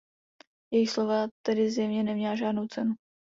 Jejich slova tedy zjevně neměla žádnou cenu.